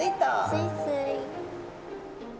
スイスイ。